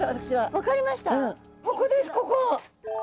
ここですここ。